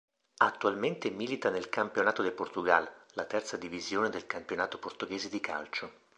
Attualmente milita nel Campeonato de Portugal, la terza divisione del campionato portoghese di calcio.